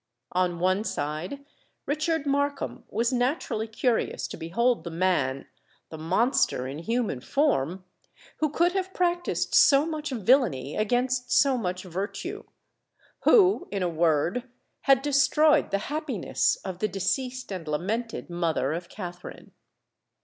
On one side Richard Markham was naturally curious to behold the man,—the monster in human form,—who could have practised so much villany against so much virtue—who, in a word, had destroyed the happiness of the deceased and lamented mother of Katharine.